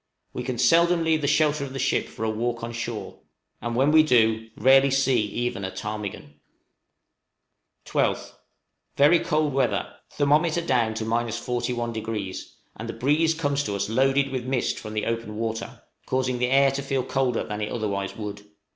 We can seldom leave the shelter of the ship for a walk on shore, and, when we do, rarely see even a ptarmigan. {SEVERE WEATHER.} 12th. Very cold weather: thermometer down to 41°, and the breeze comes to us loaded with mist from the open water, causing the air to feel colder than it otherwise would.